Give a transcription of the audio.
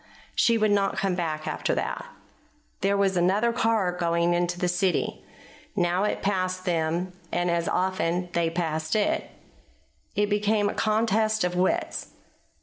She would not come back after that. There was another car going toward the city. Now it passed them, and as often they passed it. It became a contest of wits.